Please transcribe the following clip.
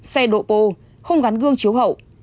xe độ bô không gắn gương chiếu hậu